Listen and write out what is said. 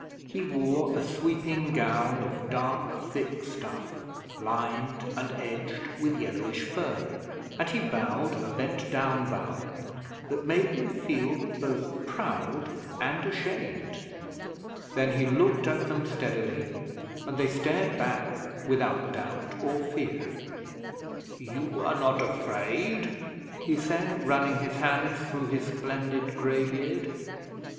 He wore a sweeping gown of dark thick stuff, lined and edged with yellowish fur, and he bowed a bent down bow that made them feel both proud and ashamed. Then he looked at them steadily, and they stared back without doubt or fear. 'You are not afraid?' he said, running his hands through his splendid grey beard.